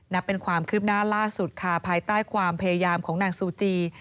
นับเป็นความคืบหน้าล่าสุดค่ะภายใต้ความพยายามของนางซูจี